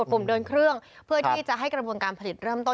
เพื่อที่จะให้กระบวนการผลิตเริ่มต้น